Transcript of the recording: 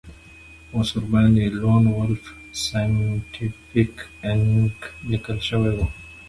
اوس ورباندې لون وولف سایینټیفیک انک لیکل شوي وو